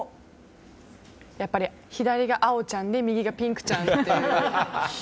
やっぱり、左が青ちゃんで右がピンクちゃん。